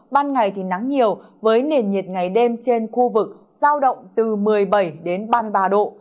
ban ngày thì nắng nhiều với nền nhiệt ngày đêm trên khu vực giao động từ một mươi bảy đến ba mươi ba độ